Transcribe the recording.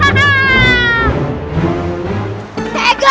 baca songok adiknya